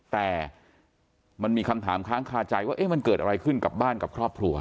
แต่มันมีคำถามค้างคาใจว่ามันเกิดอะไรขึ้นกับบ้านกับครอบครัว